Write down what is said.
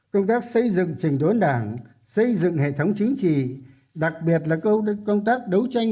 công tác xây dựng trình đốn đảng xây dựng hệ thống chính trị đặc biệt là công tác đấu tranh